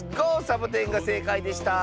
サボテン」がせいかいでした。